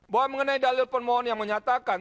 bahwa mengenai dalil permohon yang menyatakan